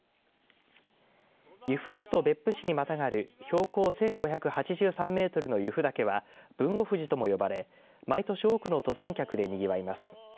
由布市と別府市にまたがる標高１５８３メートルの由布岳は豊後富士とも呼ばれ毎年、多くの登山客でにぎわいます。